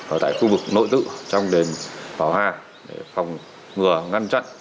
ở tại khu vực nội tự trong đền bảo hà để phòng ngừa ngăn chặn